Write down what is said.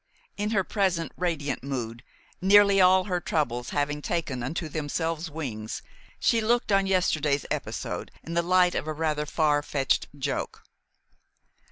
In her present radiant mood, nearly all her troubles having taken unto themselves wings, she looked on yesterday's episode in the light of a rather far fetched joke.